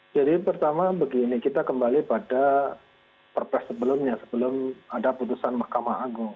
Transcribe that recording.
jadi pertama begini kita kembali pada perpres sebelumnya sebelum ada putusan mahkamah agung